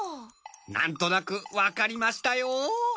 なんとなくわかりましたよ！